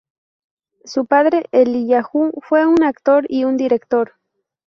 Su padre, Eliyahu, fue un actor y un director.